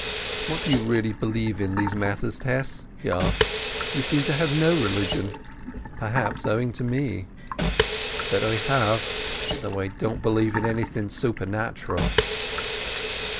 What do you really believe in these matters, Tess?" he asked. "You seem to have no religion—perhaps owing to me." "But I have. Though I don't believe in anything supernatural."